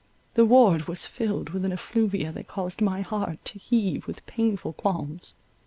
The ward was filled with an effluvia that caused my heart to heave with painful qualms.